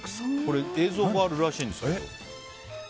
映像があるらしいんですけど。